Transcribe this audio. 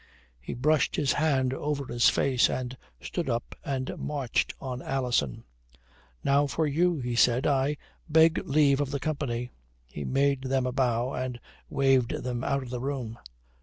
He brushed his hand over his face and stood up and marched on Alison. "Now for you," he said. "I beg leave of the company." He made them a bow and waved them out of the room.